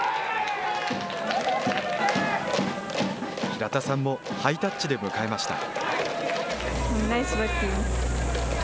平田さんもハイタッチで迎えました。